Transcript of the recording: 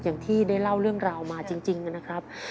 อย่างที่ได้เล่าเรื่องราวมาจริงนะครับ